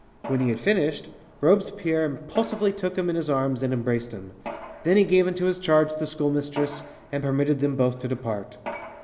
When he had finished, Robespierre impulsively took him in his arms and embraced him. Then he gave into his charge the school mistress, and permitted them both to depart.